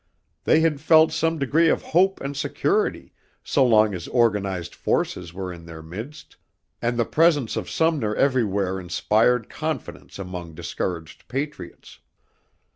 They had felt some degree of hope and security so long as organized forces were in their midst, and the presence of Sumner everywhere inspired confidence among discouraged patriots.